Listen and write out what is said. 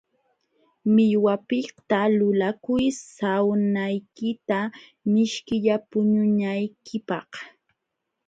Millwapiqta lulakuy sawnaykita mishkilla puñunaykipaq.